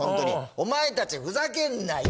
おまえ達ふざけんなよ！